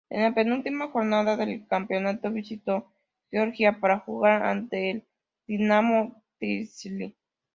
En la penúltima jornada del campeonato visitó Georgia para jugar ante el Dinamo Tbilisi.